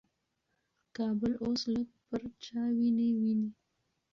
کابل اوس لږ پرچاویني ویني.